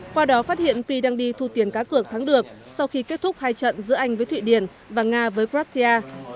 qua đó phát hiện phi đang đi thu tiền cá cược thắng được sau khi kết thúc hai trận giữa anh với thụy điển và nga với kratia